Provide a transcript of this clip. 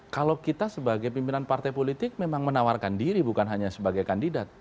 kalau kita sebagai pimpinan partai politik memang menawarkan diri bukan hanya sebagai kandidat